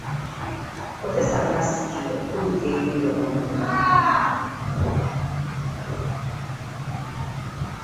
Kozesa masiki okubikka ennyindo n'omumwa.